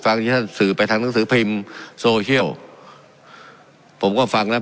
ที่ท่านสื่อไปทางหนังสือพิมพ์โซเชียลผมก็ฟังแล้ว